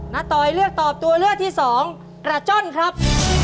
ตอยเลือกตอบตัวเลือกที่สองกระจ้อนครับ